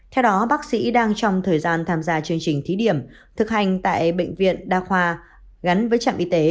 theo đó bác sĩ đang trong thời gian tham gia chương trình thí điểm thực hành tại bệnh viện đa khoa gắn với trạm y tế